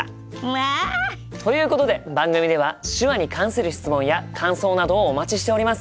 まあ！ということで番組では手話に関する質問や感想などをお待ちしております。